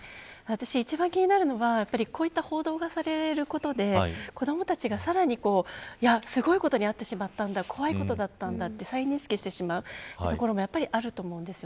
一番気になるのはこういった報道がされることで子どもたちがさらにすごいことに遭ってしまったんだ怖いことだったんだと再認識してしまうそういところがあると思います。